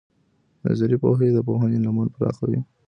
نظري پوهه د پوهنې لمن پراخوي.